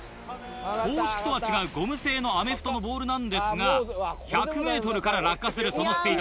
公式とは違うゴム製のアメフトのボールなんですが１００ｍから落下するそのスピード